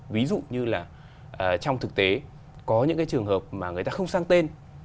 ví dụ như là trong thực tế có những cái trường hợp mà người ta không sang tên